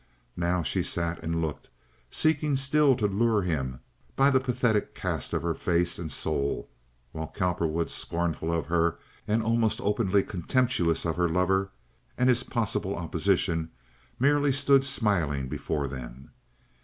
Now she sat and looked, seeking still to lure him by the pathetic cast of her face and soul, while Cowperwood, scornful of her, and almost openly contemptuous of her lover, and his possible opposition, merely stood smiling before them.